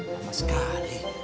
aduh lama sekali